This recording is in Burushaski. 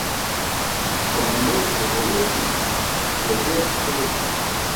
Salam beke daru eci̇, juwar bek dupʰoġurći.